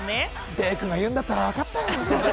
デイくんが言うんだったらわかったよ。